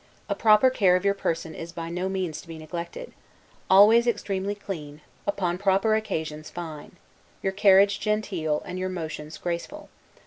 A proper care of your person is by no means to be neglected; always extremely clean; upon proper occasions fine. Your carriage genteel, and your motions graceful.